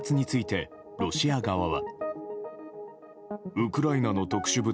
爆発について、ロシア側は。